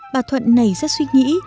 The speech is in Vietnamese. bà thuận này rất suy nghĩ